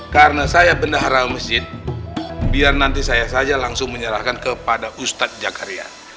karena saya bendahara masjid biar nanti saya saja langsung menyerahkan kepada ustadz zakaria